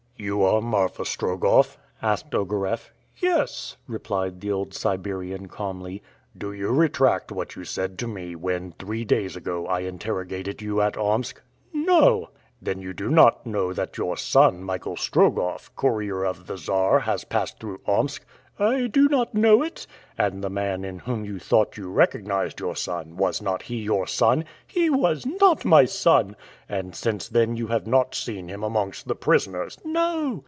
"You are Marfa Strogoff?" asked Ogareff. "Yes," replied the old Siberian calmly. "Do you retract what you said to me when, three days ago, I interrogated you at Omsk?" "No!" "Then you do not know that your son, Michael Strogoff, courier of the Czar, has passed through Omsk?" "I do not know it." "And the man in whom you thought you recognized your son, was not he your son?" "He was not my son." "And since then you have not seen him amongst the prisoners?" "No."